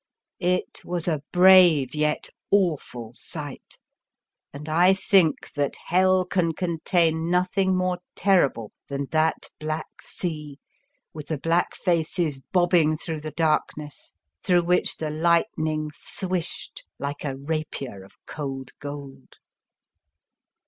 It was a brave yet awful sight, and I think that hell can contain nothing more terrible than that black sea, with the black faces bobbing through the darkness, through which the lightning swished like a rapier of cold gold.